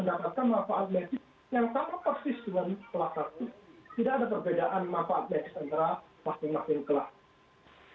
tidak ada perbedaan manfaat medis antara masing masing kelas